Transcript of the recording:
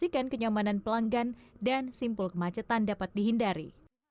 memastikan kenyamanan pelanggan dan simpul kemacetan dapat dihindari